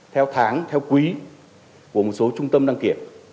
theo tháng theo quý của một số trung tâm đăng kiểm